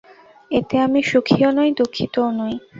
এতে আমি সুখীও নই, দুঃখিতও নই।